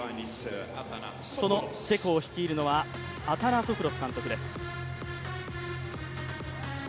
そのチェコを率いるのはアタナソプロス監督です。